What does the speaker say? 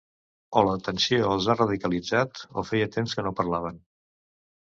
O la detenció els ha radicalitzat o feia temps que no parlaven.